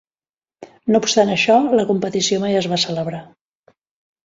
No obstant això, la competició mai es va celebrar.